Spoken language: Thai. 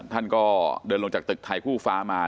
ท่านก็เดินลงจากตึกไทยคู่ฟ้ามา